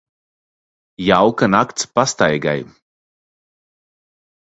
Jauka nakts pastaigai.